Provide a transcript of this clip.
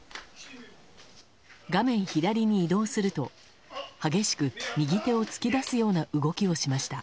画面左に移動すると激しく、右手を突き出すような動きをしました。